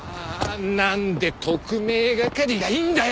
なんで特命係がいるんだよ！